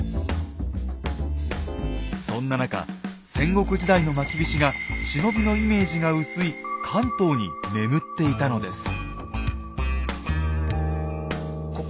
そんな中戦国時代のまきびしが忍びのイメージが薄い関東に眠っていたのです。